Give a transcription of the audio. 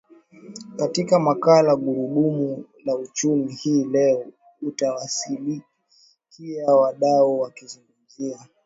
katika makala gurudumu la uchumi hii leo utawasikia wadau wakizungumzia